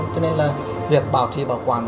cho nên là việc bảo trì bảo quản